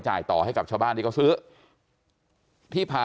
ความปลอดภัยของนายอภิรักษ์และครอบครัวด้วยซ้ำ